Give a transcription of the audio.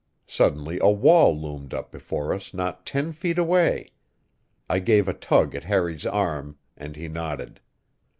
Suddenly a wall loomed up before us not ten feet away. I gave a tug at Harry's arm, and he nodded.